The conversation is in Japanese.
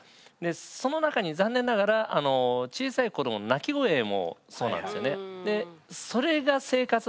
その中に残念ながら小さい子どもの泣き声もそうなんですよね。